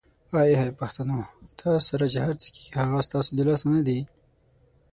آی های پښتنو ! تاسو سره چې هرڅه کیږي هغه ستاسو د لاسه ندي؟!